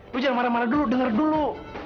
gue jangan marah marah dulu denger dulu